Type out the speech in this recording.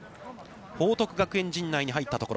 報徳学園陣内に入ったところ。